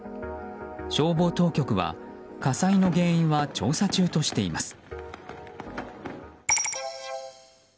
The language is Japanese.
消防当局は、火災の原因は調査中としています。